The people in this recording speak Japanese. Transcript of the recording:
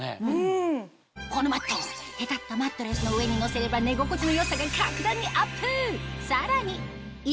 このマットへたったマットレスの上にのせれば寝心地の良さが格段にアップ